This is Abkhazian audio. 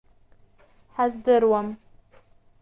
Ҳаздыруам.